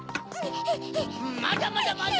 まだまだまだ！